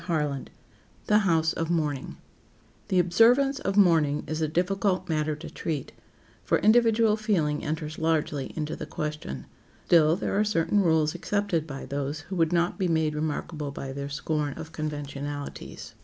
CHAPTER XXI THE HOUSE OF MOURNING THE observance of mourning is a difficult matter to treat, for individual feeling enters largely into the question. Still, there are certain rules accepted by those who would not be made remarkable by their scorn of conventionalities.